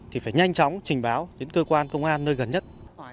thì phải nhanh chóng trình báo đến cơ quan công an nơi gần nhất